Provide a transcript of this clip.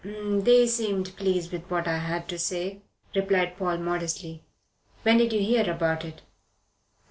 "They seemed pleased with what I had to say," replied Paul modestly. "When did you hear about it?"